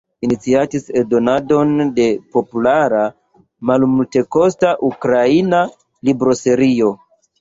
Iniciatis eldonadon de populara malmultekosta ukraina libroserio.